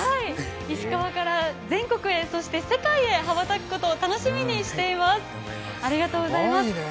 石川から全国へ、そして世界へ羽ばたくことを楽しみにしています、ありがとうございます。